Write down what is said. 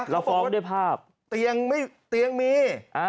เราบอกว่าเตียงมี